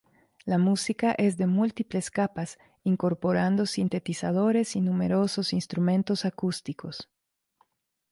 La música es de múltiples capas, incorporando sintetizadores y numerosos instrumentos acústicos.